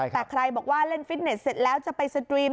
แต่ใครบอกว่าเล่นฟิตเน็ตเสร็จแล้วจะไปสตรีม